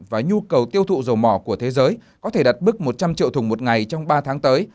và nhu cầu tiêu thụ dầu mỏ của thế giới có thể đặt bức một trăm linh triệu thùng một ngày trong ba tháng tới